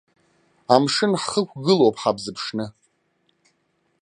Амшын ҳхықәгылоуп ҳабзыԥшны.